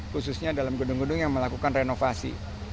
khususnya dalam gedung gedung yang melakukan renovasi